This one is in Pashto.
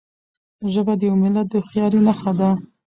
ژبه د یو ملت د هوښیارۍ نښه ده.